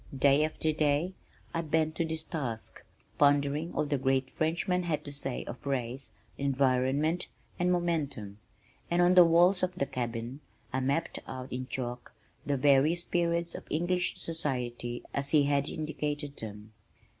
Day after day I bent to this task, pondering all the great Frenchman had to say of race, environment, and momentum and on the walls of the cabin I mapped out in chalk the various periods of English society as he had indicated them.